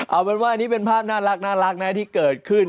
เอาเป็นว่าอันนี้เป็นภาพน่ารักนะที่เกิดขึ้น